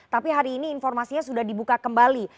tapi hari ini informasinya sudah dibuka kembali